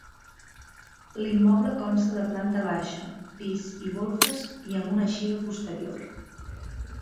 L'immoble consta de planta baixa, pis i golfes i amb una eixida posterior.